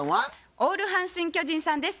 オール阪神・巨人さんです。